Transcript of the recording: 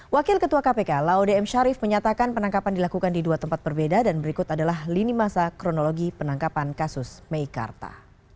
wakil ketua kpk laude m sharif menyatakan penangkapan dilakukan di dua tempat berbeda dan berikut adalah lini masa kronologi penangkapan kasus meikarta